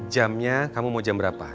jamnya kamu mau jam berapa